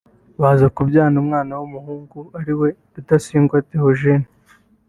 baza kubyarana umwana w’umuhungu ariwe Rudasingwa Theogene